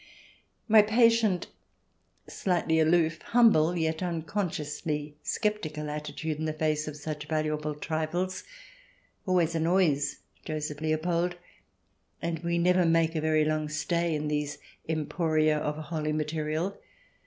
My patient, slightly aloof, humble, yet uncon sciously sceptical attitude in the face of such valuable trifles always annoys Joseph Leopold, and we never make a very long stay in these emporia of holy material.